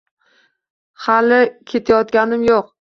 Hali ketayotganim yo‘q.